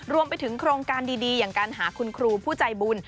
รวมไปถึงโครงการดีอย่างการหาคุณครูผู้ใจบุญ